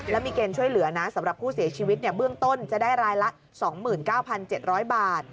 แล้วมีเกณฑ์ช่วยเหลือนะสำหรับผู้เสียชีวิตเบื้องต้นจะได้รายละ๒๙๗๐๐บาท